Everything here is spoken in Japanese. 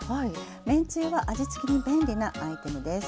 めんつゆは味付けに便利なアイテムです。